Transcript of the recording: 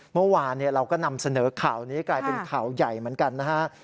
เมื่อวานเราก็นำเสนอข่าวนี้กลายเป็นข่าวใหญ่เหมือนกันนะฮะ